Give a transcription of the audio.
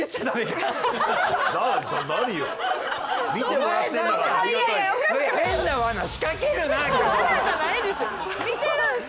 してないです！